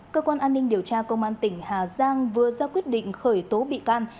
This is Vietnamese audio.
cơ quan an ninh điều tra công an tỉnh hà giang vừa ra quyết định khởi tố bị can